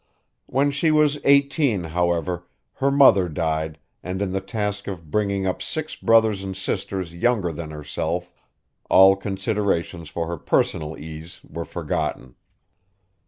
When she was eighteen, however, her mother died and in the task of bringing up six brothers and sisters younger than herself all considerations for her personal ease were forgotten.